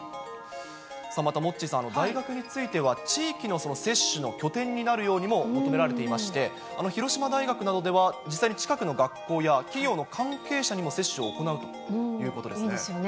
またモッチーさん、大学については地域の接種の拠点になるようにも求められていまして、広島大学などでは、実際に近くの学校や企業の関係者にも接種を行うということですね。